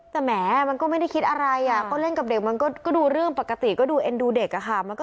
แต่แหมมันก็ไม่ได้คิดอะไรก็เล่นกับเด็กมันก็ดูเรื่องปกติก็ดูเอ็นดูเด็กอะค่ะ